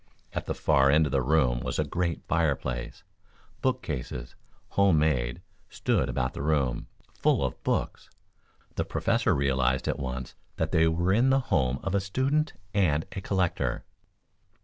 At the far end of the room was a great fire place. Book cases, home made, stood about the room, full of books. The Professor realized, at once, that they were in the home of a student and a collector.